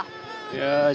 jam setengah dua